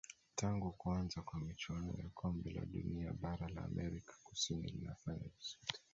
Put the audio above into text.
tangu kuanza kwa michuano ya kombe la dunia bara la amerika kusini linafanya vizuri